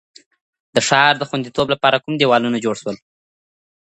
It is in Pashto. د ښار د خوندیتوب لپاره کوم دېوالونه جوړ سول؟